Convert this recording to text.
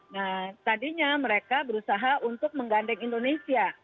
nah tadinya mereka berusaha untuk menggandeng indonesia